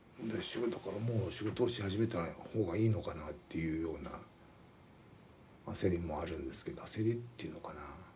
だからもう仕事をし始めた方がいいのかなっていうような焦りもあるんですけど焦りっていうのかな。